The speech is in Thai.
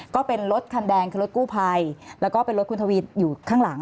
ก็เป็นรถคันแดงคือรถกู้ภัยแล้วก็เป็นรถคุณทวีอยู่ข้างหลัง